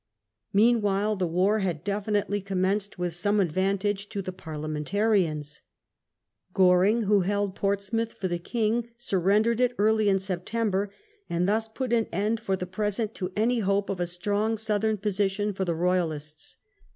Meanwhile the war had definitely commenced, with some advantage to the Parliamentarians. Goring, who Early fighting held Portsmouth for the king, surrendered it in 1643. early in September, and thus put an end for the present to any hope of a strong southern position for the Royalists.